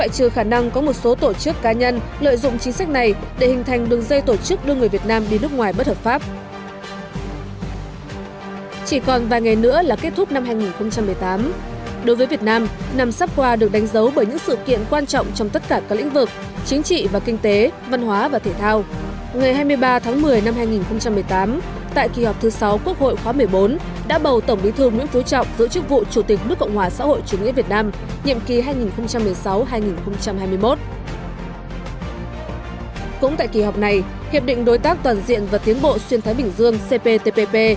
cũng tại kỳ họp này hiệp định đối tác toàn diện và tiến bộ xuyên thái bình dương cptpp